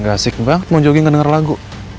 gak asik banget mau jogging ngedenger lagu